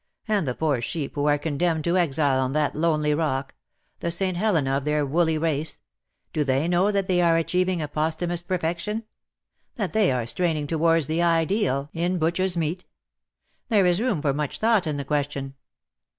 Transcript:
And the poor sheep who are condemned to exile on that lonely rock — the St. Helena of their w^oolly race — do they know that they are achieving a posthumous perfec tion — that they are straining towards the ideal iu 84 '^TINTAGEL, HALF IN SEA, AND HALF ON LAND." butcher's meat ? There is room for much thought in the question.'